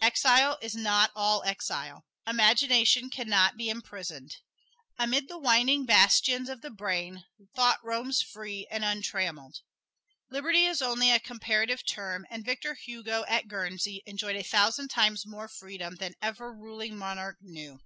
Exile is not all exile. Imagination can not be imprisoned. Amid the winding bastions of the brain, thought roams free and untrammeled. Liberty is only a comparative term, and Victor Hugo at Guernsey enjoyed a thousand times more freedom than ever ruling monarch knew.